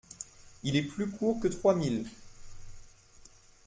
Il est plus court que trois miles.